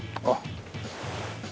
あっ。